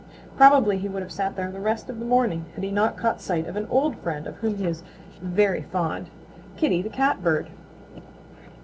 Probably he would have sat there the rest of the morning had he not caught sight of an old friend of whom he is very fond, Kitty the Catbird.